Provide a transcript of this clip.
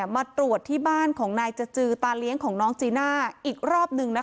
มาตรวจที่บ้านของนายจจือตาเลี้ยงของน้องจีน่าอีกรอบหนึ่งนะคะ